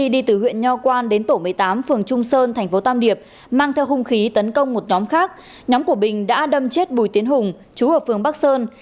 các taxi đi từ huyện nho quang đến tổ một mươi tám phường trung sơn tp tam điệp mang theo hung khí tấn công một nhóm khác nhóm của bình đã đâm chết bùi tiến hùng chú ở phường bắc sơn